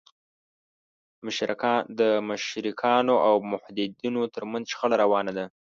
د مشرکانو او موحدینو تر منځ شخړه روانه وه.